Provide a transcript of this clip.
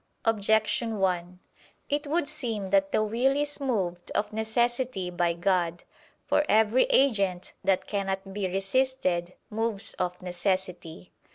Objection 1: It would seem that the will is moved of necessity by God. For every agent that cannot be resisted moves of necessity.